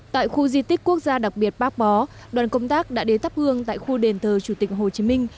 tại khu di tích quốc gia đặc biệt bác bó đoàn công tác đã đến thắp hương tại khu đền thờ chủ tịch hồ chí minh